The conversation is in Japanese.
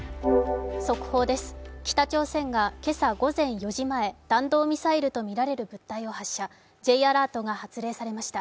速報です、北朝鮮が今朝、午前４時前弾道ミサイルとみられるものを発射Ｊアラートが発令されました。